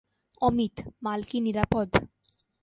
অমিত, মাল কি নিরাপদ?